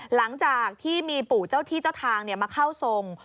หลังจากที่มีปู่เจ้าที่เจ้าทางมาเข้าทรง